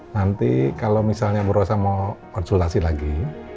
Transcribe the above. nanti kalo misalnya berusaha mau konsultasi lagi